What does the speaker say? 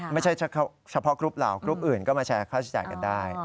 ไม่ใช่เฉพาะกรุ๊ปเรามาก็แชร์ค่าใช้จ่ายกันได้